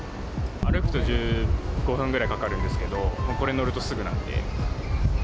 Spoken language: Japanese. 歩くと１５分ぐらいかかるんですけど、これに乗るとすぐなんで。